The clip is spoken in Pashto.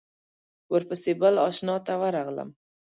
ورپسې بل آشنا ته ورغلم.